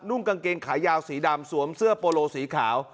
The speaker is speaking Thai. ่งกางเกงขายาวสีดำสวมเสื้อโปโลสีขาว